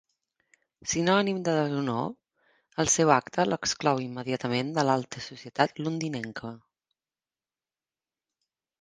Sinònim de deshonor, el seu acte l'exclou immediatament de l'alta societat londinenca.